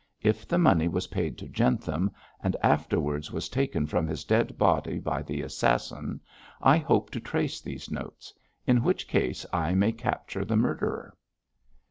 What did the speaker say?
If the money was paid to Jentham, and afterwards was taken from his dead body by the assassin, I hope to trace these notes; in which case I may capture the murderer.'